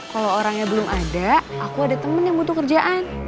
kalau orangnya belum ada aku ada temen yang butuh kerjaan